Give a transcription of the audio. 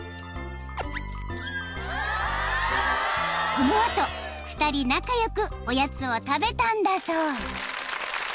［この後２人仲良くおやつを食べたんだそう］